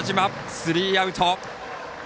スリーアウト。